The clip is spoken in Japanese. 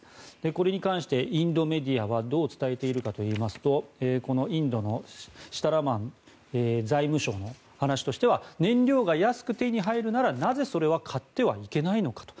これに関してインドメディアはどう伝えているかといいますとこのインドのシタラマン財務相の話としては燃料が安く手に入るならなぜ、それは買ってはいけないのかと。